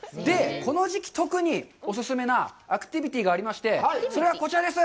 この時期、特にお勧め、なぜアクティビティがありまして、それがこちらです。